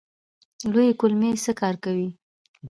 لویې کولمې څه کار کوي؟